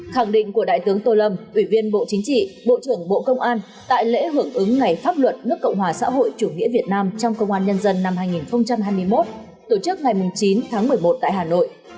khẳng định của đại tướng tô lâm ủy viên bộ chính trị bộ trưởng bộ công an tại lễ hưởng ứng ngày pháp luật nước cộng hòa xã hội chủ nghĩa việt nam trong công an nhân dân năm hai nghìn hai mươi một tổ chức ngày chín tháng một mươi một tại hà nội